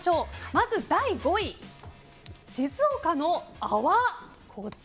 まず第５位、静岡の泡？